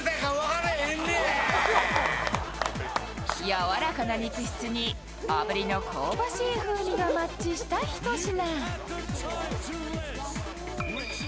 やわらかな肉質に脂身の香ばしい味がマッチした一品。